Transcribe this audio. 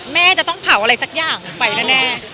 แม่จะต้องเผาอะไรสักอย่างหนึ่งไปแน่